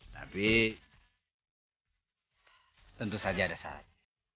tapi tentu saja ada saatnya